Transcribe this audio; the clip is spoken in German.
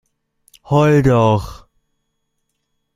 Heul doch!